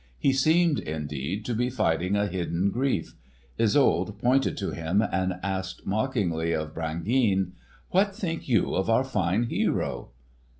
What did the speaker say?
He seemed, indeed, to be fighting a hidden grief. Isolde pointed to him and asked mockingly of Brangeane: "What think you of our fine hero?"